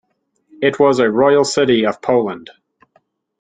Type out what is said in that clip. It was a royal city of Poland.